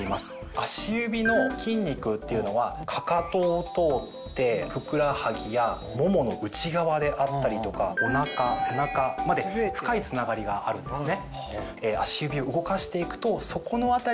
足指の筋肉っていうのはかかとを通ってふくらはぎやももの内側であったりとかお腹背中まで深いつながりがあるんですね。